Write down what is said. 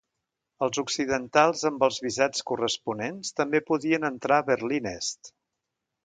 Els occidentals amb els visats corresponents també podien entrar a Berlin Est.